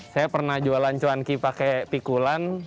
saya pernah jualan cuanki pakai pikulan